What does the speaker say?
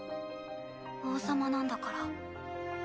王様なんだから。